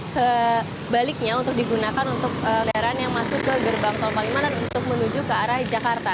sebaliknya untuk digunakan untuk kendaraan yang masuk ke gerbang tol palimanan untuk menuju ke arah jakarta